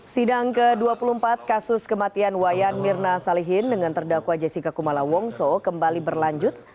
sidang ke dua puluh empat kasus kematian wayan mirna salihin dengan terdakwa jessica kumala wongso kembali berlanjut